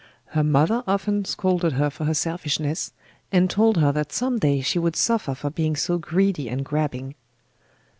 Her mother often scolded her for her selfishness, and told her that some day she would suffer for being so greedy and grabbing.